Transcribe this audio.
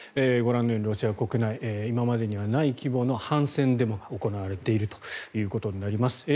ロシア国内今までにない規模で反戦デモが行われているということにあります。